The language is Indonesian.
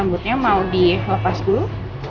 pantramutnya mau dilepas dulu